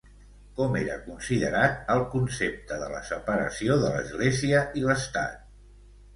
Com era considerat el concepte de la separació de l'Església i l'Estat?